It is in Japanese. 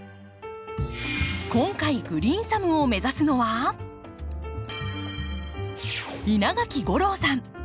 今回グリーンサムを目指すのは稲垣吾郎さん！